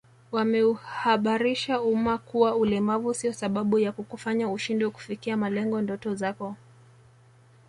Wameuhabarisha umma kuwa ulemavu sio sababu ya kukufanya ushindwe kufikia malengo ndoto zako